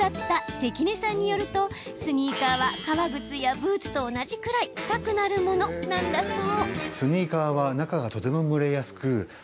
関根さんによると、スニーカーは革靴やブーツと同じくらい臭くなるものなんだそう。